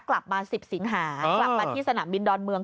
กลับมาสิบสิงหาหรือหลักมาที่สนามบินดอนเมือง